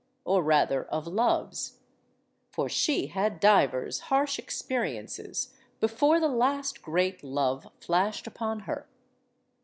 Or, rather, of loves. For she had divers harsh experiences before the last great love flashed upon her.